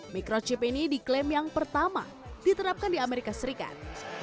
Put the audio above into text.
microchip ini diklaim yang pertama diterapkan di amerika serikat